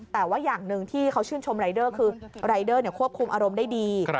แต่ว่าอย่างหนึ่งที่เขาชื่นชมรายเดอร์คือรายเดอร์ควบคุมอารมณ์ได้ดี